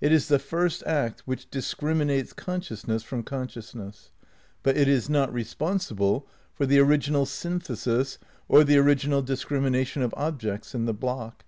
It is the first act which discriminates consciousness from consciousness ; but it is not responsible for the original synthesis or the orig inal discrimination of objects in the block.